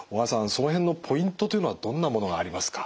その辺のポイントというのはどんなものがありますか？